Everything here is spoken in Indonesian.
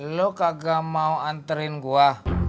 lo kagakm mau anterin gue